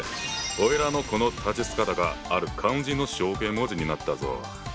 おいらのこの立ち姿がある漢字の象形文字になったぞ。